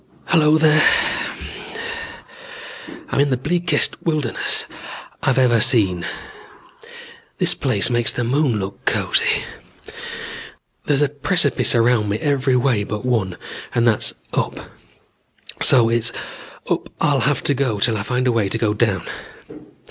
"Hello there. I'm in the bleakest wilderness I've ever seen. This place makes the moon look cozy. There's precipice around me every way but one and that's up. So it's up I'll have to go till I find a way to go down.